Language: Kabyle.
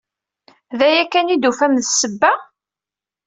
D aya kan i d-tufam d ssebba?